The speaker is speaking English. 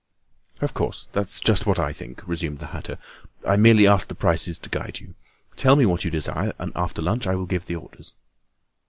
"Of course, that's just what I think," resumed the hatter. "I merely asked the prices to guide you. Tell me what you desire; and after lunch I will give the orders."